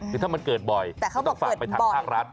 คือถ้ามันเกิดบ่อยแต่ก็ต้องฝากไปทางภาครัฐ